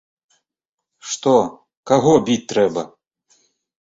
Што, каго біць трэба?